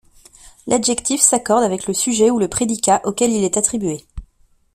L'adjectif s'accorde avec le sujet ou le prédicat auquel il est attribué.